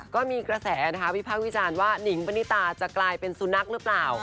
ก็มีกระแสนะคะวิพากษ์วิจารณ์ว่านิงปณิตาจะกลายเป็นสุนัขหรือเปล่า